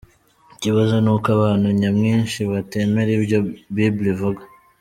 Ikibazo nuko abantu nyamwinshi batemera ibyo Bible ivuga.